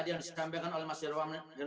yang disampaikan oleh mas yeruang dan